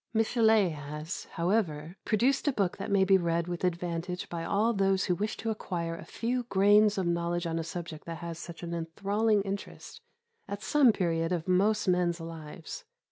Michelet has, however, produced a book that may be read with advantage by all those who wish to acquire a few grains of knowledge on a subject that has such an enthralling interest at some period of most men's lives.